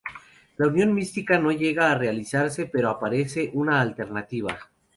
La unión mística no llega a realizarse, pero aparece una alternativa.